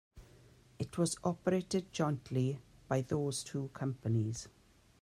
It was operated jointly by those two companies.